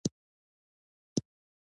دوی وايي زړه مو وسوځېد او مرستې ته راغلو